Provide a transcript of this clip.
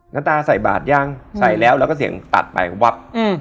น้ำตาใส่บาทยังใส่แล้วแล้วก็เสียงตัดไปวับอืม